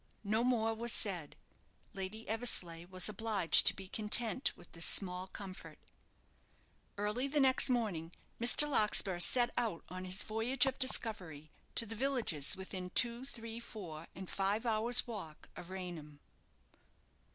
No more was said. Lady Eversleigh was obliged to be content with this small comfort. Early the next morning Mr. Larkspur set out on his voyage of discovery to the villages within two, three, four, and five hours' walk of Raynham.